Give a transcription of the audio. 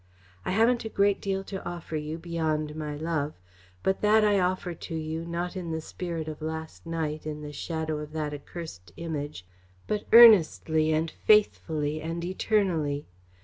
I haven't a great deal to offer you, beyond my love, but that I offer to you, not in the spirit of last night in the shadow of that accursed Image, but earnestly, and faithfully, and eternally.